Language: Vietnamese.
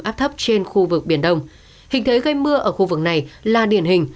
áp thấp trên khu vực biển đông hình thế gây mưa ở khu vực này là điển hình